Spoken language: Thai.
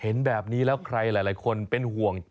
เห็นแบบนี้แล้วใครหลายคนเป็นห่วง